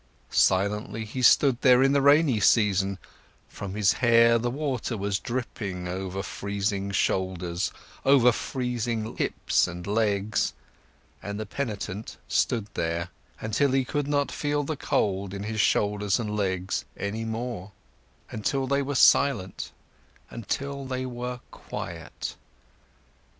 Silently, he stood there in the rainy season, from his hair the water was dripping over freezing shoulders, over freezing hips and legs, and the penitent stood there, until he could not feel the cold in his shoulders and legs any more, until they were silent, until they were quiet.